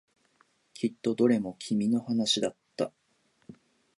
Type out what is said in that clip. きっとどれも君の話だった。